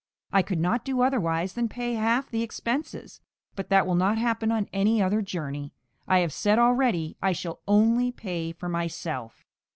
I could not do otherwise than pay half the expenses; but that will not happen on any other journey; I have said already I shall only pay for myself.